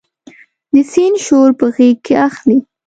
د سیند شور په غیږ کې اخلي